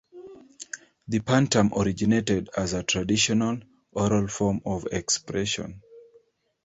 The pantun originated as a traditional oral form of expression.